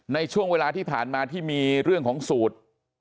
ในช่วงเวลาที่ผ่านมาที่มีเรื่องของสูตร